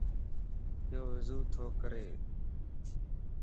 يو وضو تو ڪري